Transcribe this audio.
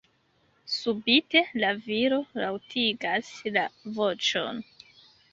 Subite, la viro laŭtigas la voĉon.